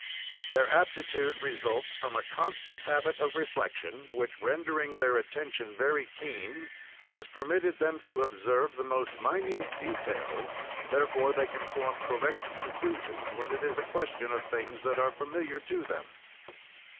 Their aptitude results from a constant habit of reflection which, rendering their attention very keen, has permitted them to observe the most minute details, therefore they can form correct conclusions, when it is a question of things that are familiar to them.